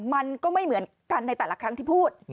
มันก็ไม่เหมือนกันในแต่ละครั้งที่พูด